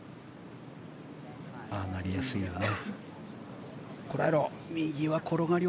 ああなりやすいよね。